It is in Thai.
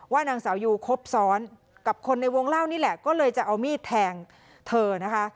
นางสาวยูครบซ้อนกับคนในวงเล่านี่แหละก็เลยจะเอามีดแทงเธอนะคะ